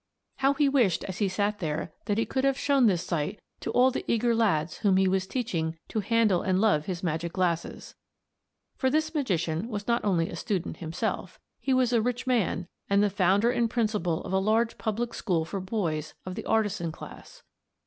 How he wished as he sat there that he could have shown this sight to all the eager lads whom he was teaching to handle and love his magic glasses. For this magician was not only a student himself, he was a rich man and the Founder and Principal of a large public school for boys of the artisan class.